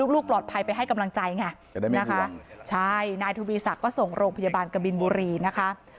ลูกปลอดภัยไปให้กำลังใจไงนะคะใช่นายทวีศักดิ์ก็ส่งโรงพยาบาลกบินบุรีนะคะ